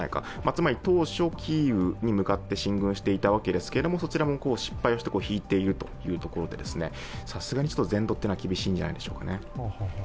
つまり当初キーウに向かって進軍していたわけですけれどもそちらも失敗して引いているというところで、さすがに全土は厳しいんじゃないでしょうか。